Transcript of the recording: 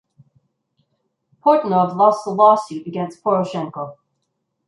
Portnov lost the lawsuit against Poroshenko.